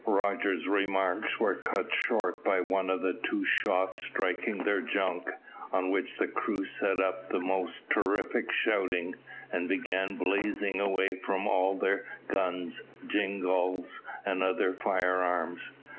Rogers' remarks were cut short by one or two shots striking their junk, on which the crew set up the most terrific shouting, and began blazing away from all their guns, jingalls, and other firearms.